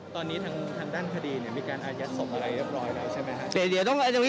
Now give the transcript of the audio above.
ตอนนี้ทางด้านคดีมีการอายัดศพอะไรเรียบร้อยแล้วใช่ไหมครับ